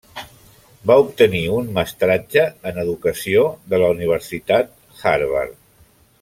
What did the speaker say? Va obtenir un mestratge en educació de la Universitat Harvard.